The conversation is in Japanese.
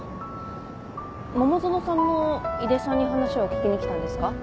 桃園さんも井手さんに話を聞きに来たんですか？